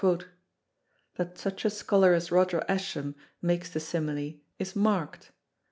That such a scholar as Roger Ascham makes the simile is marked.